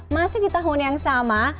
masih di tahun yang sama